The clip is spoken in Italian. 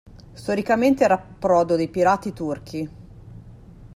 Storicamente era approdo dei pirati turchi.